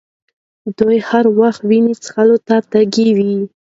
دوی هر وخت وینو څښلو ته تږي وي.